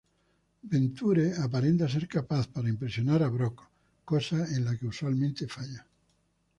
Venture aparenta ser capaz para impresionar a Brock, cosa en la que usualmente falla.